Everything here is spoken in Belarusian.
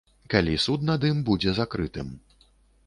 Калі суд над ім будзе закрытым.